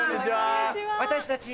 私たち